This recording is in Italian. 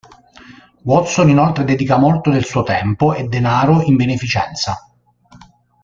Watson inoltre dedica molto del suo tempo e denaro in beneficenza.